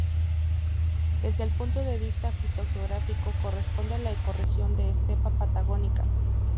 Desde el punto de vista fitogeográfico, corresponde a la ecorregión de estepa patagónica.